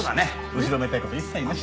後ろめたい事一切なし。